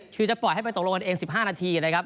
คือจะปล่อยให้ไปตกลงกันเอง๑๕นาทีนะครับ